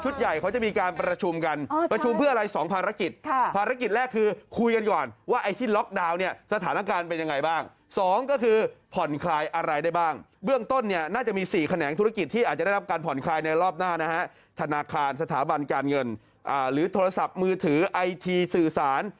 ธนาคารสถาบันการเงินหรือโทรศัพท์มือถือไอทีสื่อสาร